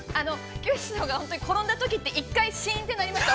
◆きよし師匠が本当に転んだときって一回シーンってなりました、